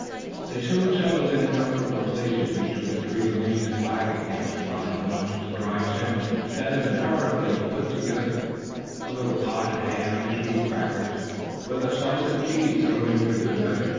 They soon settled in comfortable places, each with a tree to lean his back against while he munched the dry sandwiches that had been hurriedly put together, a little potted ham between crackers, with a slice of cheese thrown in for good measure.